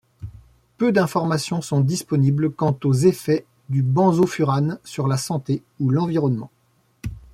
Peu d'informations sont disponibles quant aux effets du benzofurane sur la santé ou l'environnement.